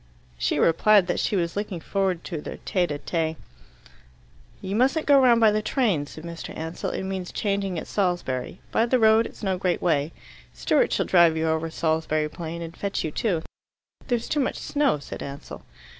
She replied that she was looking forward to their tete a tete. "You mustn't go round by the trains," said Mr. Ansell. "It means changing at Salisbury. By the road it's no great way. Stewart shall drive you over Salisbury Plain, and fetch you too." "There's too much snow," said Ansell.